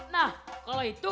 nah kalau itu